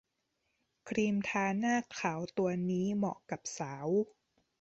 ครีมทาหน้าขาวตัวนี้เหมาะกับสาว